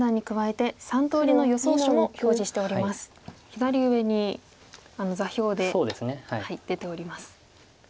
左上に座標で出ております。